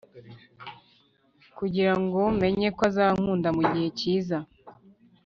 kugirango menye ko azankunda mugihe cyiza